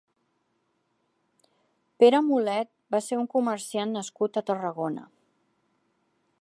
Pere Mulet va ser un comerciant nascut a Tarragona.